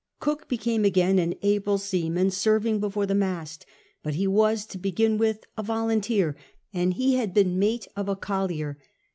Cook became agsiin an able seaman serving befoi'e the mast. But he was, to begin with, a volunteer, and he had been mate of a collier.